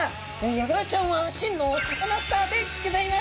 ヤガラちゃんは真のサカナスターでギョざいます。